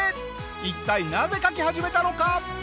一体なぜ描き始めたのか？